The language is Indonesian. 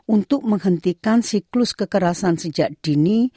untuk menghentikan siklus kekerasan sejak dini